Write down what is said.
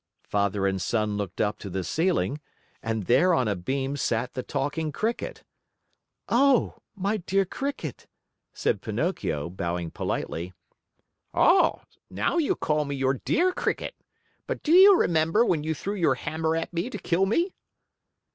Father and son looked up to the ceiling, and there on a beam sat the Talking Cricket. "Oh, my dear Cricket," said Pinocchio, bowing politely. "Oh, now you call me your dear Cricket, but do you remember when you threw your hammer at me to kill me?"